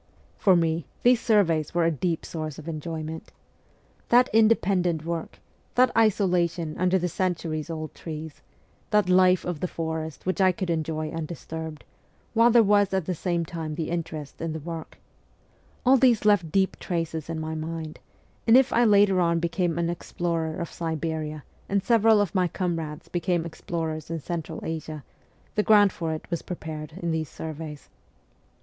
For me these surveys were a deep source of enjoyment. That independent work, that isolation under the cen turies old trees, that life of the forest which I could enjoy undisturbed, while there was at the same time the interest in the work all these left deep traces in my mind ; and if I later on became an explorer of Siberia and several of my comrades became explorers in Central Asia, the ground for it was prepared in these surveys.